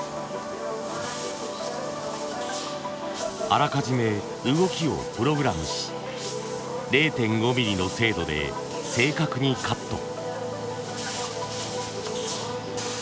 あらかじめ動きをプログラムし０．５ミリの精度で正確にカット。